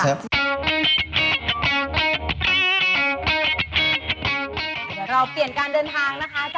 ตอนแรกปิโป้มีความกลัวนิดนึงนะฮะ